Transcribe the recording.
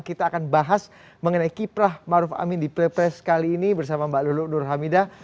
kita akan bahas mengenai kiprah maruf amin di pilpres kali ini bersama mbak lulu nur hamidah